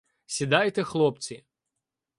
— Сідайте, хлопці.